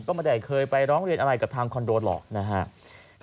ก็ไม่ได้เคยไปแล้วอลัยกับทางคอนโดหรอก